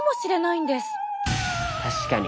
確かに。